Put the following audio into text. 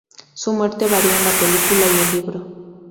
Su muerte varía en la película y el libro.